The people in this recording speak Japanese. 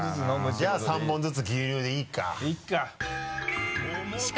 じゃあ３本ずつ牛乳でいいか。